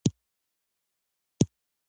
ایا زه باید شکر وکړم؟